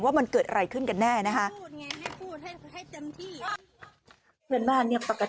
ว่ามันเกิดอะไรขึ้นกันแน่นะคะ